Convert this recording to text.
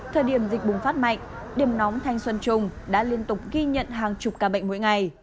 thời điểm dịch bùng phát mạnh điểm nóng thanh xuân trung đã liên tục ghi nhận hàng chục ca bệnh mỗi ngày